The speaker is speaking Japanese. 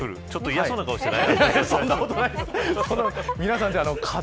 ちょっと嫌そうな顔してない。